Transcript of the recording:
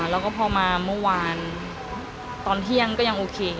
แล้วก็พอมาเมื่อวานตอนเที่ยงก็ยังโอเค